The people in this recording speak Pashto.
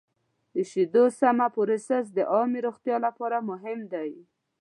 د شیدو سمه پروسس د عامې روغتیا لپاره مهم دی.